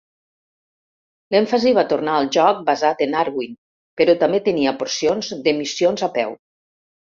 L'èmfasi va tornar al joc basat en Arwing, però també tenia porcions de missions a peu.